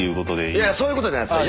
いやそういうことじゃないです。